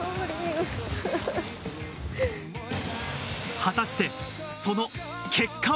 果たして、その結果は？